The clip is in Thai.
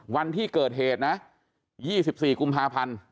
วันที่เกิดเหตุนะ๒๔กุมภาพันธ์